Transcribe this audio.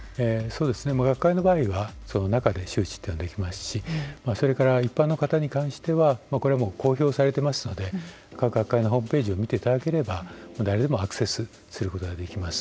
学会の場合は、その中で周知というのはできますしそれから一般の方に関してはこれはもう公表されてますので各学会のホームページを見ていただければ誰でもアクセスすることができます。